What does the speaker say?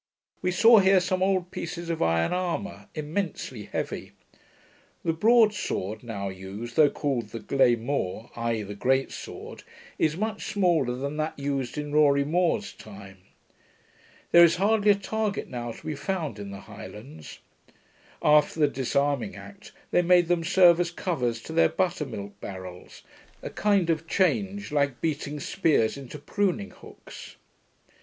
We saw here some old pieces of iron armour, immensely heavy. The broadsword now used, though called the glaymore (i.e. the great sword), is much smaller than that used in Rorie More's time. There is hardly a target now to be found in the Highlands. After the disarming act, they made them serve as covers to their butter milk barrels; a kind of change, like beating spears into pruning hooks.